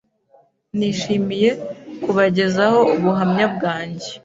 nishimiye kubagezaho ubuhamya bwanjye